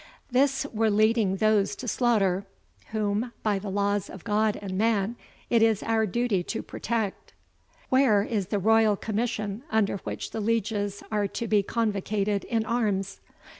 This were leading those to slaughter, whom, by the laws of God and man, it is our duty to protect. Where is the royal commission, under which the lieges are to be convocated in arms?